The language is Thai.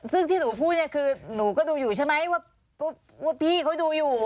ซึ่งที่หนูพูดเนี่ยคือหนูก็ดูอยู่ใช่ไหมว่าพี่เขาดูอยู่